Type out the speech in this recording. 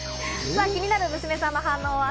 さぁ、気になる娘さんの反応は？